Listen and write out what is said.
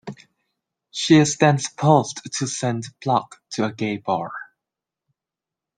She is then supposed to send Block to a gay bar.